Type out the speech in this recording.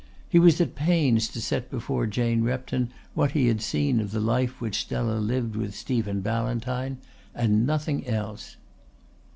He was at pains to set before Jane Repton what he had seen of the life which Stella lived with Stephen Ballantyne and nothing else.